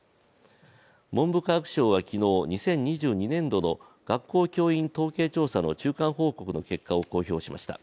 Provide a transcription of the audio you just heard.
文部科学省は昨日、２０２２年度の学校教員統計調査の中間報告の結果を公表しました。